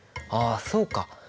ああそうか！